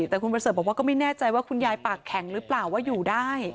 แต่คุณประเสริฐบอกว่าก็ไม่แน่ใจว่าคุณยายปากแข็งหรือเปล่าว่าอยู่ได้